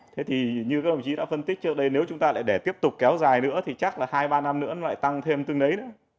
thế thì như các đồng chí đã phân tích trước đây nếu chúng ta lại để tiếp tục kéo dài nữa thì chắc là hai ba năm nữa nó lại tăng thêm tương nấy nữa